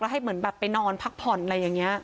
ให้เหมือนแบบไปนอนพักผ่อนอะไรอย่างนี้